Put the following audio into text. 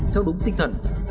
theo đúng tinh thần